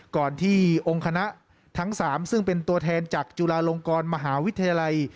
ก่อนที่องค์คณะทั้ง๓ซึ่งเป็นตัวแทนจากจุฬาลงกรมหาวิทยาลัย